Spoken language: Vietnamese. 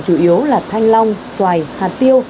chủ yếu là thanh long xoài hạt tiêu